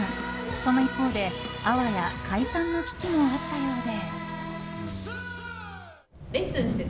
その一方で、あわや解散の危機もあったようで。